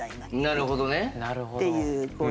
なるほど！